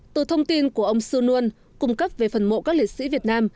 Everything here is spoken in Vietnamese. từ thông tin của ông xu nguyen cung cấp về phần mộ các liệt sĩ việt nam